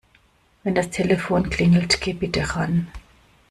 Wenn das Telefon klingelt, geh bitte ran.